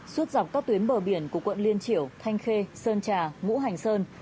suốt dọc các tuyến bờ biển của quận liên triểu thanh khê sơn trà ngũ hành sơn